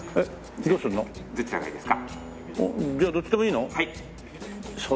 じゃあどっちでもいいの？